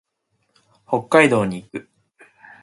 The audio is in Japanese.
北海道に行く。